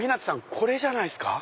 これじゃないっすか？